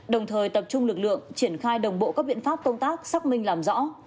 đồng thời tập trung lực lượng triển khai đồng bộ các biện pháp công tác xác minh làm rõ